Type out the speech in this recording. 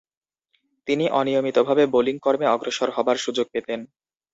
তিনি অনিয়মিতভাবে বোলিং কর্মে অগ্রসর হবার সুযোগ পেতেন।